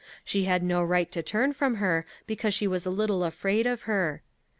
She had no right to turn from her because she was a little afraid of her.